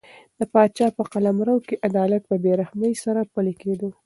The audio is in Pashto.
د پاچا په قلمرو کې عدالت په بې رحمۍ سره پلی کېده.